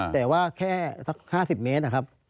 แต่ว่าแค่สัก๕๐เมตรนะครับ